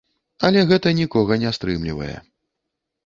Але гэта нікога не стрымлівае.